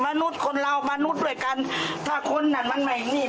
เขาก็ตุกสร้อยเขาฆ่ากันนุ่นเป็นหยัดเนี่ย